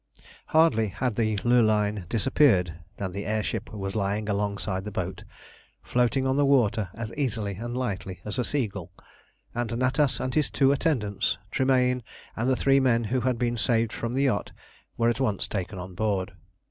Hardly had the Lurline disappeared than the air ship was lying alongside the boat, floating on the water as easily and lightly as a seagull, and Natas and his two attendants, Tremayne, and the three men who had been saved from the yacht, were at once taken on board.